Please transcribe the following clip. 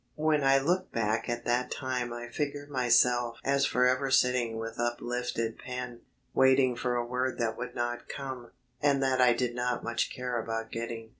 When I look back at that time I figure myself as forever sitting with uplifted pen, waiting for a word that would not come, and that I did not much care about getting.